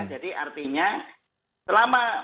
jadi artinya selama